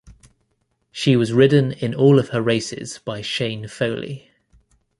She was ridden in all of her races by Shane Foley.